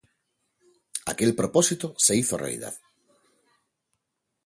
Aquel propósito se hizo realidad.